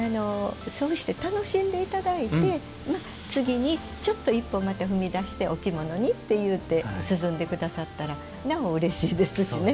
そうして楽しんでいただき次にちょっと一歩踏み出して、お着物にっていって涼んでいただけるとなお、うれしいですしね。